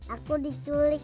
aku diculik pak